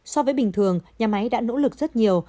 so với bình thường nhà máy đã nỗ lực rất nhiều